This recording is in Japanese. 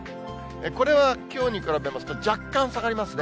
これはきょうに比べますと、若干下がりますね。